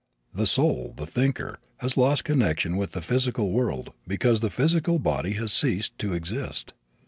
The soul, the thinker, has lost connection with the physical world because the physical body has ceased to exist.